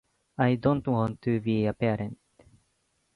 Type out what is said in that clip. I don't want to be a bad parent.